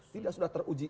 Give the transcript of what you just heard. tidak sudah teruji